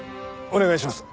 お願いします。